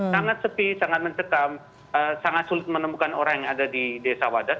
sangat sepi sangat mencekam sangat sulit menemukan orang yang ada di desa wadas